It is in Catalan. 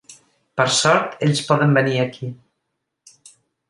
Per sort ells poden venir aquí.